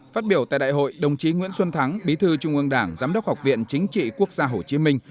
phát biểu tại đại hội đồng chí nguyễn xuân thắng bí thư trung ương đảng giám đốc học viện chính trị quốc gia hồ chí minh